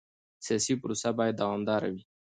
سیاسي پروسه باید دوامداره وي